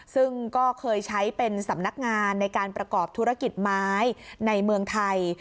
ซึ่งก็เคยใช้เป็นสำนักงานในการประกอบธุรกิจไม้ในเมืองไทย